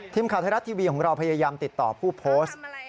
ทีมข่าวไทยรัฐทีวีของเราพยายามติดต่อผู้โพสต์